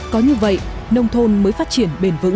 có như vậy nông thôn mới phát triển bền vững